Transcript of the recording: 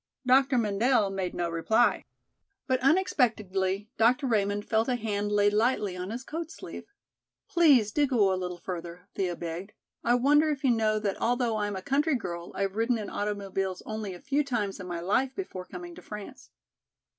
Dr. Mendel made no reply. But unexpectedly Dr. Raymond felt a hand laid lightly on his coat sleeve. "Please do go a little further," Thea begged. "I wonder if you know that although I am a country girl I have ridden in automobiles only a few times in my life before coming to France."